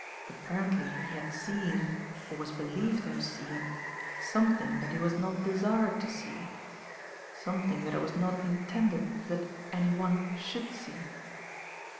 Apparently he had seen, or was believed to have seen, something that he was not desired to see; something that it was not intended that anyone should see.